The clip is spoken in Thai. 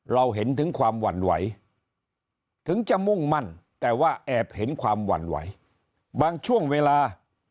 เราเห็นถึงความหวั่นไหวถึงจะมุ่งมั่นแต่ว่าแอบเห็นความหวั่นไหวบางช่วงเวลา